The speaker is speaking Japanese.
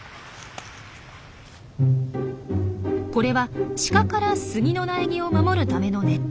これはシカからスギの苗木を守るためのネット。